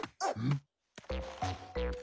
ん。